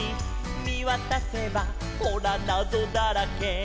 「みわたせばほらなぞだらけ」